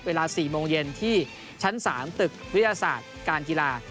เวลา๔โมงเย็นที่ชั้น๓ตึกวิทยาศาสตร์การกีฬา